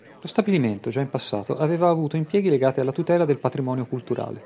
Lo stabilimento, già in passato, aveva avuto impieghi legati alla tutela del patrimonio culturale.